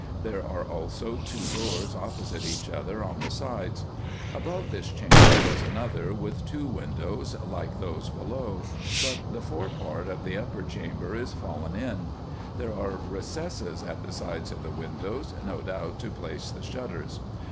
There are also two doors opposite each other on the R s 122 RESEARCHES AND OPERATIONS sides. Above this chamber was another, with two windows like those below ; but the fore part of the upper chamber is fallen in. There are recesses at the sides of the windows, no doubt to place the shutters.